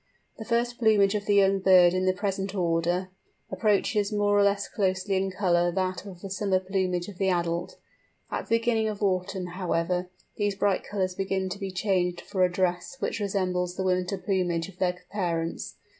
The first plumage of the young bird in the present order, approaches more or less closely in colour that of the summer plumage of the adult. At the beginning of autumn, however, these bright colours begin to be changed for a dress which resembles the winter plumage of their parents.